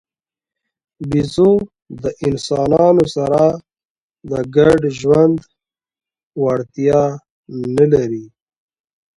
بیزو د انسانانو سره د ګډ ژوند وړتیا نه لري.